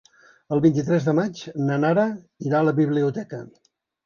El vint-i-tres de maig na Nara irà a la biblioteca.